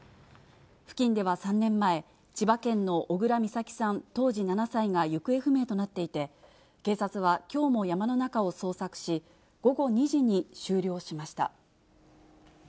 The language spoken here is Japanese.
付近では３年前、千葉県の小倉美咲さん、当時７歳が行方不明となっていて、警察はきょうも山の中を捜索し、午後２時に終了しました。